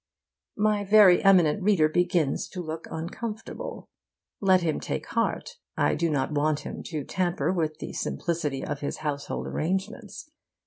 My very eminent reader begins to look uncomfortable. Let him take heart. I do not want him to tamper with the simplicity of his household arrangements.